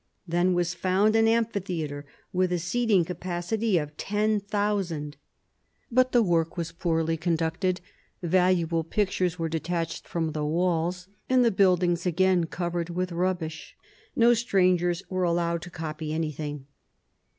Then was found an amphitheatre, with a seating capacity of ten thousand. But the work was poorly conducted: valuable pictures were detached from the walls, and the buildings again covered with rubbish. No strangers were allowed to copy anything.